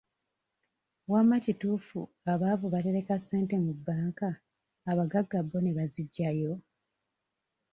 Wamma kituufu abaavu batereka ssente mu banka abagagga bo ne baziggyayo?